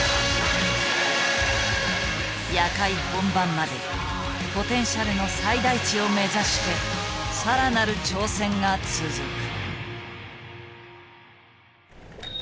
夜会本番までポテンシャルの最大値を目指して更なる挑戦が続く。